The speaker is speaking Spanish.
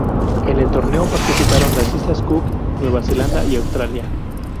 En el torneo participaron las Islas Cook, Nueva Zelanda y Australia.